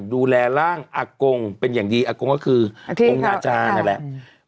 ดูแลร่างอากงเป็นอย่างดีอากงก็คืออากงนาจารนั่นแหละ